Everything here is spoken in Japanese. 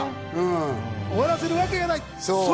終わらせるわけがない。